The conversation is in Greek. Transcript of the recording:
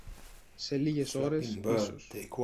σε λίγες ώρες ίσως